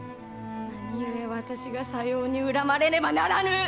何故私がさように恨まれねばならぬ！